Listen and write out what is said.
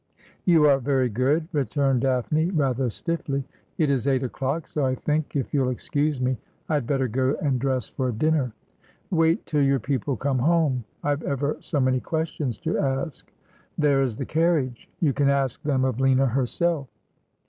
' You are very good,' returned Daphne rather stiffly. ' It is eight o'clock, so I think, if you'll excuse me, I had better go and dress for dinner.' ' Wait till your people come home. I've ever so many questions to ask.' ' There is the carriage ! You can ask them of Lina herself.'